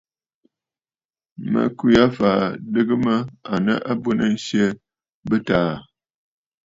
Mə̀ kwe aa fàa adɨgə mə à nɨ abwenənsyɛ bɨ̂taà aà.